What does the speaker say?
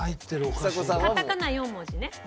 カタカナ４文字ね。